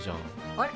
あれ？